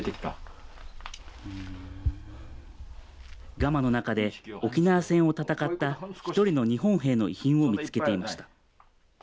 ガマの中で、沖縄戦を戦った一人の日本兵の遺品を見つけていました。